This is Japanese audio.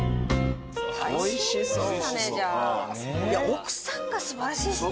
奥さんが素晴らしいですね。